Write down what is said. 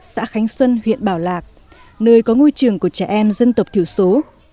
xã khánh xuân huyện bảo lạc nơi có ngôi trường của trẻ em dân tộc thiểu số